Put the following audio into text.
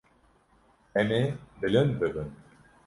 Em ê bilind bibin.